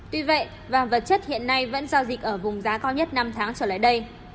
tuy vậy vàng vật chất hiện nay vẫn giao dịch ở vùng giá cao nhất năm tháng trở lại đây